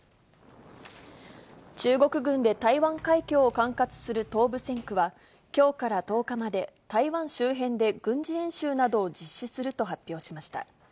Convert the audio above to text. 中国軍で台湾海峡を管轄する東部戦区は、きょうから１０日まで、台湾周辺で軍事演習などを実施すると発表しました。